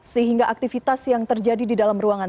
sehingga aktivitas yang terjadi di dalam ruangan